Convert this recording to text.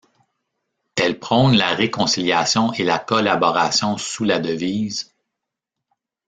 Elle prône la réconciliation et la collaboration sous la devise '.